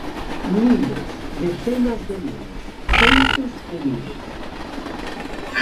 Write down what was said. Miles, decenas de miles, centos de miles.